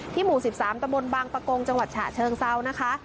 หมู่๑๓ตะบนบางประกงจังหวัดฉะเชิงเซานะคะ